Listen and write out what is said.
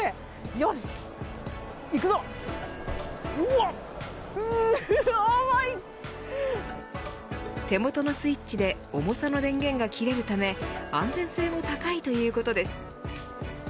よし、いくぞうぉ手元のスイッチで重さの電源が切れるため安全性も高いということです。